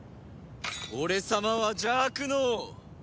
俺様は邪悪の王。